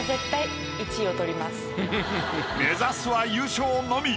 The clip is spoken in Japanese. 目指すは優勝のみ。